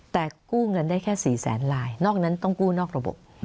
แต่กู้เงินได้แค่๔แสนลายนอกนั้นต้องกู้นอกระบบ